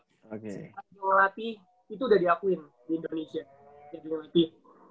setelah dia ngelatih itu udah diakuin di indonesia